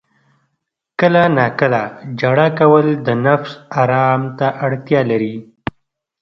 • کله ناکله ژړا کول د نفس آرام ته اړتیا لري.